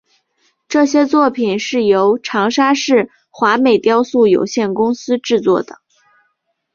这些作品是由长沙市华美雕塑有限公司制作的。